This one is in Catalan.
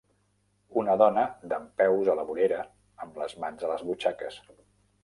Una dona dempeus a la vorera amb les mans a les butxaques.